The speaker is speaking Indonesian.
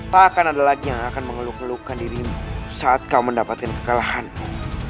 tak akan ada lagi yang akan mengeluh ngelukkan dirimu saat kau mendapatkan kekalahanmu